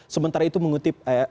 sementara itu mengutip